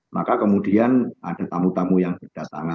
maka kemudian ada tamu tamu yang berdatangan